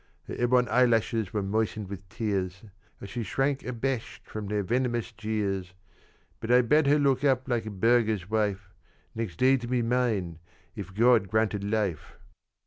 "Her ebon eyelashes were moistened with tears, As she shrank abashed from their venomous jeers: But I bade her look up like a burgher's wife Next day to be mine, if God granted life.